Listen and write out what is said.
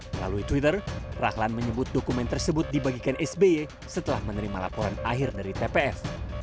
melalui twitter rahlan menyebut dokumen tersebut dibagikan sby setelah menerima laporan akhir dari tpf